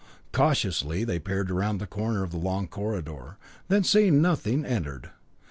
Cautiously they peered around the corner of the long corridor, then seeing nothing, entered.